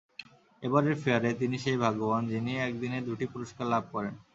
এবারের ফেয়ারে তিনি সেই ভাগ্যবান যিনি একদিনে দুটি পুরস্কার লাভ করেন।